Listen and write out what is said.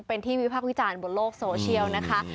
เป็นที่วิพากษ์วิจารณ์บนโลกโซเชียลนะคะ